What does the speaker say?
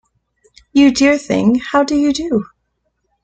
You dear thing, how do you do?